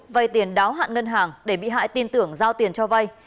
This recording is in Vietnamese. vay tiền đáo hạn ngân hàng để bị hại tin tưởng giao tiền cho vay